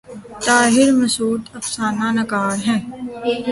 طاہر مسعود افسانہ نگار ہیں۔